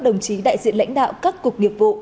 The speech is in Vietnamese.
đồng chí đại diện lãnh đạo các cục nghiệp vụ